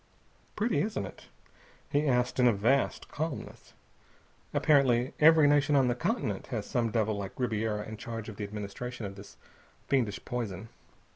"Pretty, isn't it?" he asked in a vast calmness. "Apparently every nation on the continent has some devil like Ribiera in charge of the administration of this fiendish poison.